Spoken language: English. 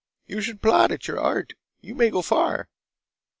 You should plot at your art. You may go far!"